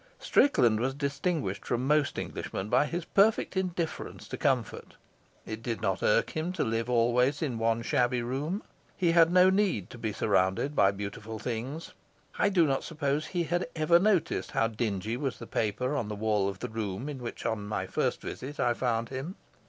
Strickland was distinguished from most Englishmen by his perfect indifference to comfort; it did not irk him to live always in one shabby room; he had no need to be surrounded by beautiful things. I do not suppose he had ever noticed how dingy was the paper on the wall of the room in which on my first visit I found him.